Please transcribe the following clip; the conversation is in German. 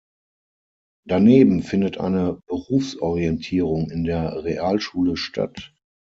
Daneben findet eine Berufsorientierung in der Realschule statt.